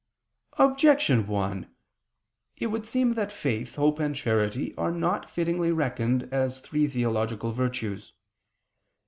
Objection 1: It would seem that faith, hope, and charity are not fittingly reckoned as three theological virtues.